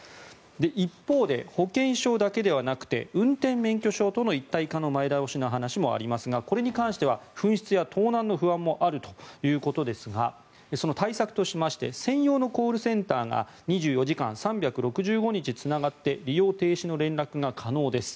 一方で保険証だけではなくて運転免許証との一体化の前倒しの話もありますがこれに関しては紛失や盗難の不安もあるということですがその対策としまして専用のコールセンターが２４時間３６５日つながって利用停止の連絡が可能です。